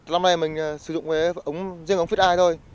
lâm nay mình sử dụng riêng ống fit eye thôi